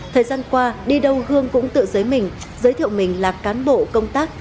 thời gian qua đi đâu hương cũng tự giới mình giới thiệu mình là cán bộ công tác